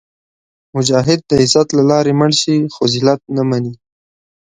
مجاهد د عزت له لارې مړ شي، خو ذلت نه مني.